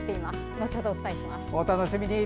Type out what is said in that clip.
後ほどお伝えします。